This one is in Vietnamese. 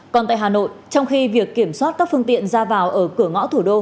còn tại hà nội trong khi việc kiểm soát các phương tiện ra vào ở cửa ngõ thủ đô